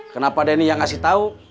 kenapa denny yang ngasih tahu